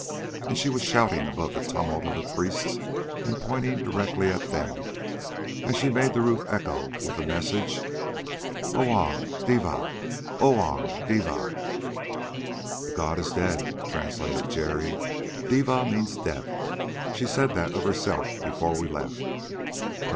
And she was shouting above the tumult of the priests and pointing directly at them as she made the roof echo with the message: "Oong devah! Oong devah!" "The god is dead," translated Jerry. "Devah means death; she said that of herself before we left.